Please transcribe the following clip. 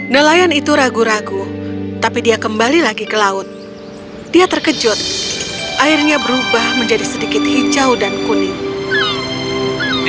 nelayan itu ragu ragu tapi dia kembali lagi ke laut dia terkejut airnya berubah menjadi sedikit hijau dan kuning